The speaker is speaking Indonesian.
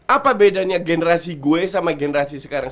apa bedanya generasi gue sama generasi sekarang